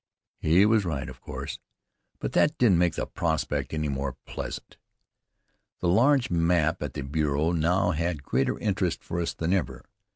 He was right, of course, but that didn't make the prospect any the more pleasant. The large map at the bureau now had greater interest for us than ever.